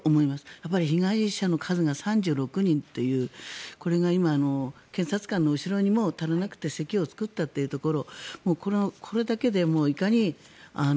やっぱり被害者の数が３６人というこれが今、検察官の後ろにも足りなくて席を作ったということ。